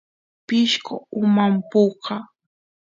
pishqo uman puka